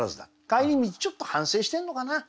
帰り道ちょっと反省してるのかな？